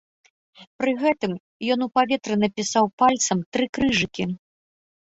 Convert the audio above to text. Пры гэтым ён у паветры напісаў пальцам тры крыжыкі.